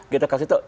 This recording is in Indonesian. kita kasih tahu